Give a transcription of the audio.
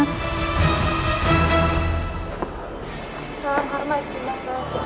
salam hormat nima santang